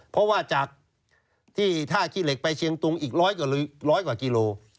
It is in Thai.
เพราะว่าจากที่ท่าขี้เหล็กไปเชียงตุงอีกร้อยกว่ากิโล